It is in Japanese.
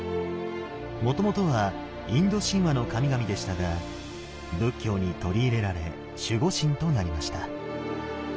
もともとはインド神話の神々でしたが仏教に取り入れられ守護神となりました。